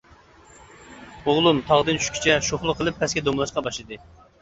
ئوغلۇم تاغدىن چۈشكىچە شوخلۇق قىلىپ پەسكە دومىلاشقا باشلىدى.